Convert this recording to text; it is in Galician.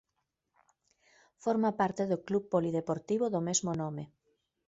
Forma parte do club polideportivo do mesmo nome.